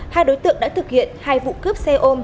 hai đối tượng đã thực hiện hai vụ cướp xe ôm